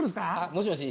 もしもし？